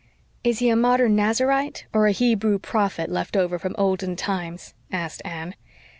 "Is he a modern Nazarite or a Hebrew prophet left over from olden times?" asked Anne.